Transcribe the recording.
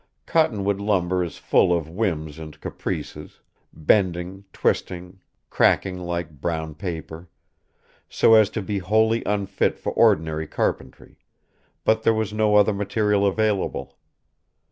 Cottonwood lumber is full of whims and caprices, bending, twisting, cracking like brown paper, so as to be wholly unfit for ordinary carpentry; but there was no other material available.